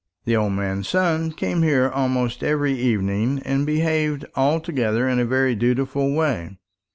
The old man's son came here almost every evening, and behaved altogether in a very dutiful way.